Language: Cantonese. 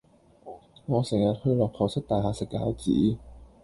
我成日去駱駝漆大廈食餃子